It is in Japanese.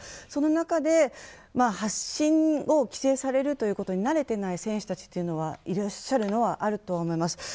その中で発信を規制されるということに慣れていない選手たちがいらっしゃるとは思います。